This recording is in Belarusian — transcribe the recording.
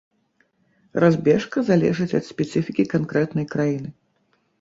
Разбежка залежыць ад спецыфікі канкрэтнай краіны.